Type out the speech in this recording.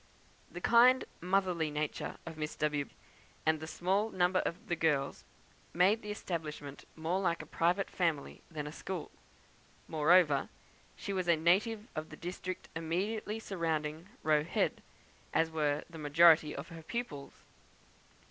The kind motherly nature of Miss W , and the small number of the girls, made the establishment more like a private family than a school. Moreover, she was a native of the district immediately surrounding Roe Head, as were the majority of her pupils.